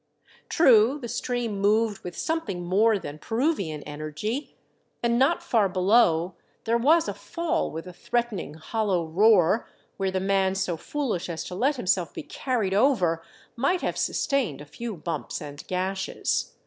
True the stream moved with something more than Peru vian energy, and not far below there was a fall with a threatening hollow roar where the man so foolish as to let himself be carried over might have sustained a few bumps and gashes.